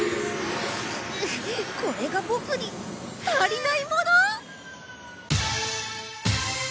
ううこれがボクに足りないもの！